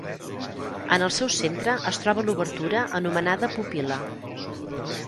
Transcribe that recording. En el seu centre es troba l'obertura anomenada pupil·la.